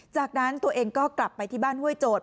จากนั้นตัวเองก็กลับไปที่บ้านห้วยโจทย